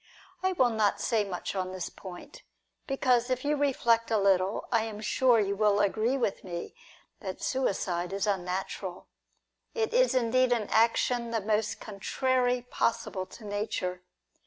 I will not say much on this point, because if you reflect a little, I am sure you will agree with me that suicide is unnatural. It is indeed an action the most contrary possible to nature.